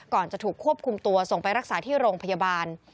จะถูกควบคุมตัวส่งไปรักษาที่โรงพยาบาล